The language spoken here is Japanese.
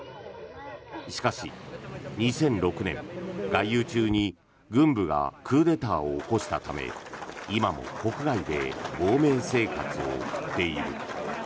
しかし、２００６年外遊中に軍部がクーデターを起こしたため今も国外で亡命生活を送っている。